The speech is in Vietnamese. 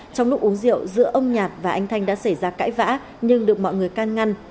trong lúc uống rượu giữa ông nhạt và anh thanh đã xảy ra cãi vã nhưng được mọi người can ngăn